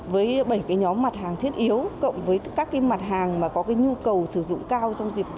với bảy nhóm mặt hàng thiết yếu cộng với các mặt hàng có nhu cầu sử dụng cao